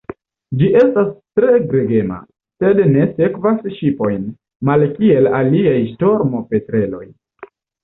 Ĝi estas tre gregema, sed ne sekvas ŝipojn, malkiel aliaj ŝtormopetreloj.